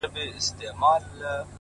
چي په دنيا کي محبت غواړمه-